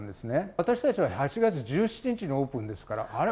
私たちは８月１７日にオープンですから、あれ？